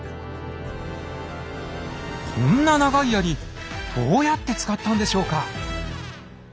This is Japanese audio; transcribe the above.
こんな長い槍どうやって使ったんでしょうか？